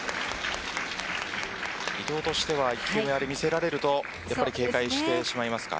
伊藤としてはあれを見せられると警戒してしまいますか。